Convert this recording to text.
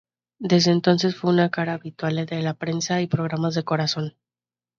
Desde entonces fue una cara habitual de la prensa y programas de corazón.